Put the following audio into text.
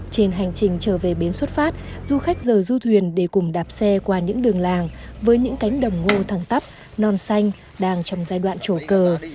trên hành trình trở về bến xuất phát du khách giờ du thuyền để cùng đạp xe qua những đường làng với những cánh đồng ngô thẳng tắp non xanh đang trong giai đoạn trổ cờ